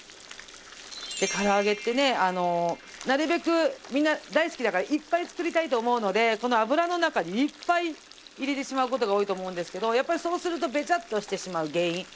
でから揚げってねなるべくみんな大好きだからいっぱい作りたいと思うのでこの油の中にいっぱい入れてしまう事が多いと思うんですけどやっぱりそうするとベチャッとしてしまう原因。